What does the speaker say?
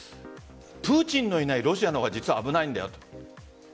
プーチンがいないロシアの方が危ないんだよと。